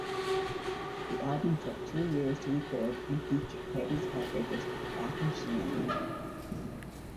The album took two years to record and featured Petty's Heartbreakers backing Shannon.